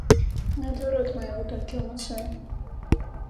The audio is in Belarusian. Наадварот, мы яго толькі ўмацуем.